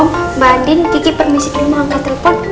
om mbak andin kiki permisi dulu mau angkat telepon